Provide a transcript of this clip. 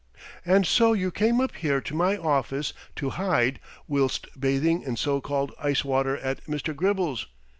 "And so you came up here to my office to hide whilst bathing in so called ice water at Mister Gribble's?"